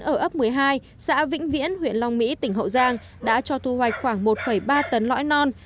ở ấp một mươi hai xã vĩnh viễn huyện long mỹ tỉnh hậu giang đã cho thu hoạch khoảng một ba tấn lõi non